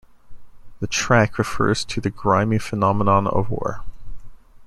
The track refers to the grimy phenomenon of war.